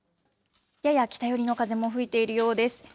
やや北寄りの風も吹いているようです。